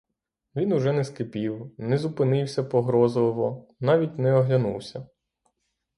Він уже не скипів, не зупинився погрозливо, навіть не оглянувся.